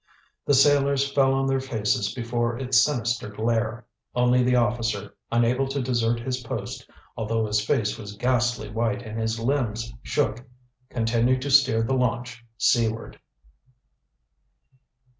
The sailors fell on their faces before its sinister glare. Only the officer, unable to desert his post, although his face was ghastly white and his limbs shook, continued to steer the launch seaward.